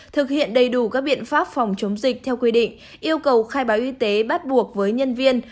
thực hiện đầy đủ các biện pháp phòng chống dịch theo quy định yêu cầu khai báo y tế bắt buộc với nhân viên